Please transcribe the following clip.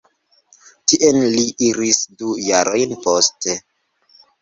Tien li iris du jarojn poste.